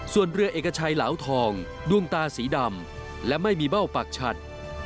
ส่วนเรือเอกชัยเหลาทองดวงตาสีดำและไม่มีเบ้าปากฉัด